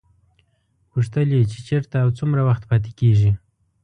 پوښتل یې چې چېرته او څومره وخت پاتې کېږي.